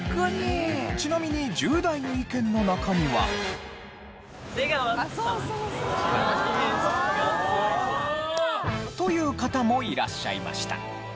ちなみに１０代の意見の中には。という方もいらっしゃいました。